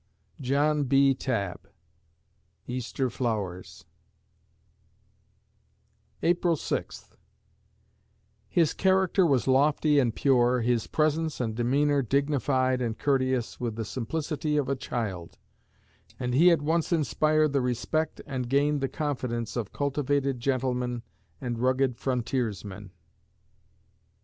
JOHN B. TABB ("Easter Flowers") April Sixth His character was lofty and pure, his presence and demeanor dignified and courteous, with the simplicity of a child; and he at once inspired the respect and gained the confidence of cultivated gentlemen and rugged frontiersmen.